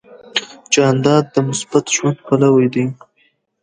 جانداد د مثبت ژوند پلوی دی.